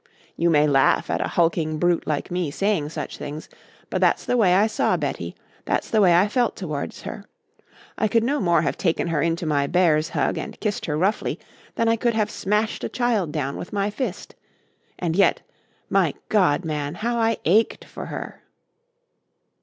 You may laugh at a hulking brute like me saying such things, but that's the way I saw Betty, that's the way I felt towards her. I could no more have taken her into my bear's hug and kissed her roughly than I could have smashed a child down with my fist. And yet My God, man! how I ached for her!"